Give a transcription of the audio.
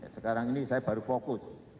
sekarang ini saya baru fokus